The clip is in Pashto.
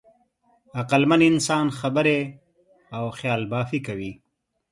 عقلمن انسان خبرې او خیالبافي کوي.